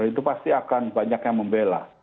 itu pasti akan banyak yang membela